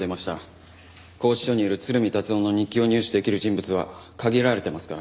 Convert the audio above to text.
拘置所にいる鶴見達男の日記を入手できる人物は限られてますから。